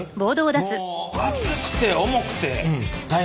もう暑くて重くて大変でした。